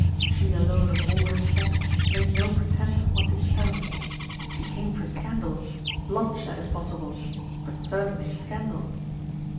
She alone of all her set made no pretence of wanting stamps. She came for scandal; bloodshed if possible, but certainly scandal.